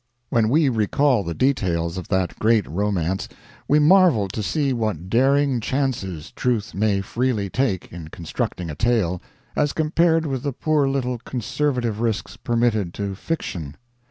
When we recall the details of that great romance we marvel to see what daring chances truth may freely take in constructing a tale, as compared with the poor little conservative risks permitted to fiction.